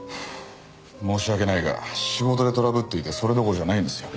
申し訳ないが仕事でトラブっていてそれどころじゃないんですよ。